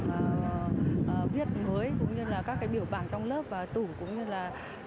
cái hệ thống bảng viết mới cũng như là các cái biểu bảng trong lớp và tủ cũng như là